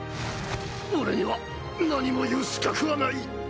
俺には何も言う資格はない。